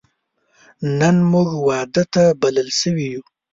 نن موږ واده ته بلل شوی یو